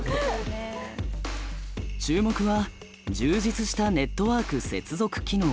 注目は充実したネットワーク接続機能。